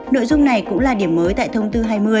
nội dung này cũng là điểm mới tại thông tư hai mươi